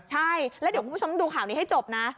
ใช่และดูข่าวนี้ให้จบนะ